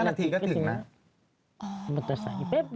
๕นาทีก็ถึงนะ